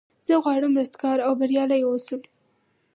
زه غواړم رستګار او بریالی اوسم.